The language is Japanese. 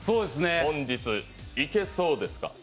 本日いけそうですか？